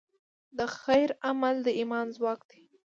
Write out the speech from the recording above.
د خیر عمل د ایمان ځواک دی.